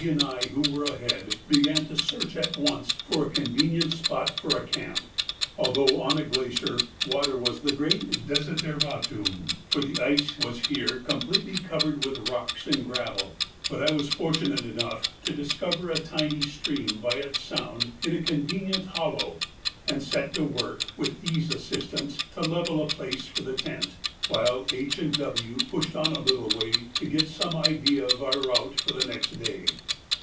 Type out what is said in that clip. and I, who were ahead, began to search at once for a convenient spot for camp. Although on a glacier, water was the great desideratum, for the ice was here completely covered with rocks and gravel, but I was fortunate enough to discover a tiny stream by its sound in a convenient hollow, and set to work, with E.'s assistance, to level a place for the tent, while H. and W. pushed on a little way to get some idea of our route for the next day.